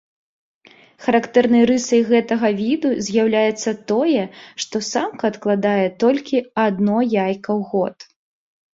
Характэрнай рысай гэтага віду з'яўляецца тое, што самка адкладае толькі адно яйка ў год.